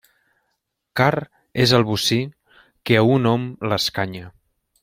Car és el bocí, que a un hom l'escanya.